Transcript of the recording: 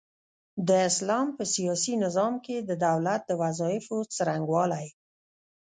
د اسلام په سياسي نظام کي د دولت د وظايفو څرنګوالۍ